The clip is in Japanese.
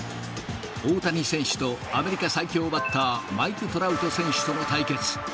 大谷選手とアメリカ最強バッター、マイク・トラウト選手との対決。